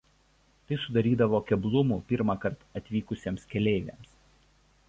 Tai sudarydavo keblumų pirmąkart atvykusiems keleiviams.